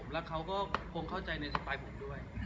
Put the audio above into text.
แล้วเขาก็คงเข้าใจในสไตล์ผมด้วย